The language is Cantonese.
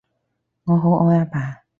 我好愛阿爸